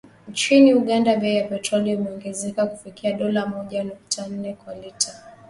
Nchini Uganda, bei ya petroli imeongezeka kufikia dola moja nukta nne kwa lita